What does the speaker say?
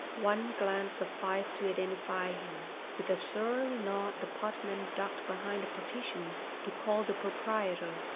One glance sufficed to identify him: with a surly nod the potman ducked behind a partition to call the proprietor.